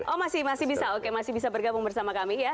oh masih bisa oke masih bisa bergabung bersama kami ya